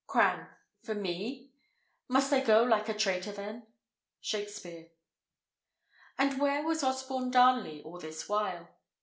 Cran. For me? Must I go like a traitor then? Shakspere. And where was Osborne Darnley all this while?